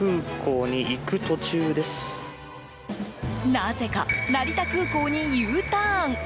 なぜか成田空港にＵターン。